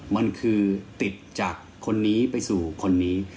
มันคือติดจากคนนี้ไปสู่คนนี้